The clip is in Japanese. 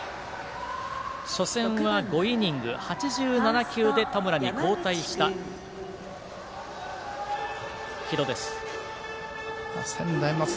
初戦は５イニング８７球で田村に交代した城戸です。